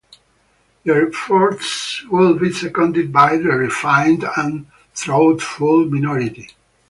Their efforts would be seconded by the refined and thoughtful minority.